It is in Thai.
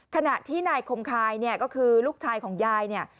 ขณะที่นายคมคายเนี่ยก็คือลูกชายของยายเนี่ย